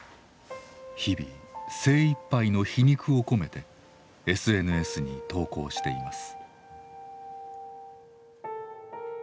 日々精いっぱいの皮肉を込めてＳＮＳに投稿しています。